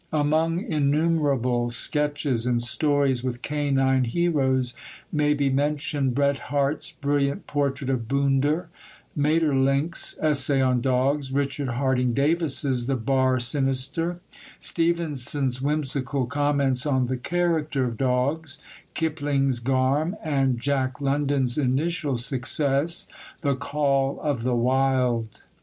Among innumerable sketches and stories with canine heroes may be mentioned Bret Harte's brilliant portrait of Boonder; Maeterlinck's essay on dogs; Richard Harding Davis's The Bar Sinister; Stevenson's whimsical comments on The Character of Dogs; Kipling's Garm; and Jack London's initial success, The Call of the Wild.